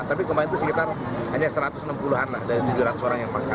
tapi kemarin itu sekitar hanya satu ratus enam puluh an lah dari tujuh ratus orang yang paham